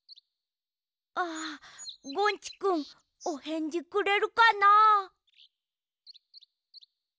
ああゴンチくんおへんじくれるかな。